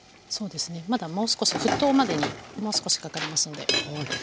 そうですねまだもう少し沸騰までにもう少しかかりますので。